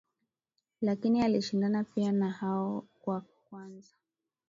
lakini alishindana pia na hao wa kwanza